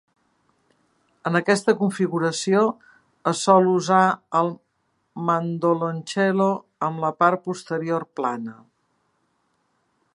En aquesta configuració es sol usar el mandoloncello amb la part posterior plana.